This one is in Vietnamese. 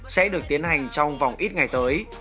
sẽ được tiến hành trong vòng ít ngày tới